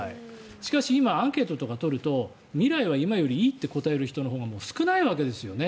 しかし今アンケートとかを取ると未来は今よりいいって答える人のほうが少ないわけですよね。